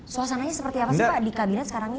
suasananya seperti apa sih pak di kabinet sekarang ini